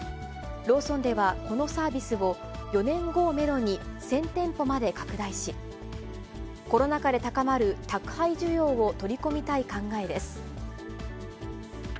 ローソンではこのサービスを４年後をメドに１０００店舗まで拡大し、コロナ禍で高まる宅配需要を取り込みたい考えです。